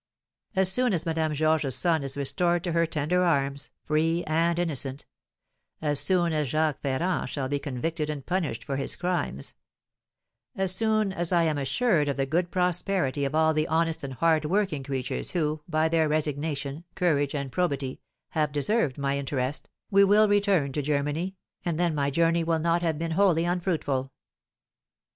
As soon as Madame Georges's son is restored to her tender arms, free and innocent; as soon as Jacques Ferrand shall be convicted and punished for his crimes; as soon as I am assured of the good prosperity of all the honest and hard working creatures who, by their resignation, courage, and probity, have deserved my interest, we will return to Germany, and then my journey will not have been wholly unfruitful."